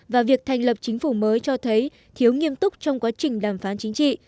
và việc thành lập chính phủ mới cho thấy thiếu nghiêm túc trong quá trình đàm phán chính trị